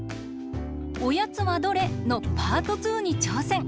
「おやつはどれ？」のパート２にちょうせん！